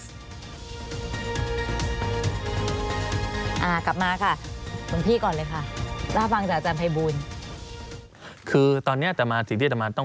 สำหรับสนุนโดยหวานได้ทุกที่ที่มีพาเลส